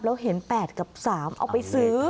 เห็น๘กับ๓เอาไปซื้อ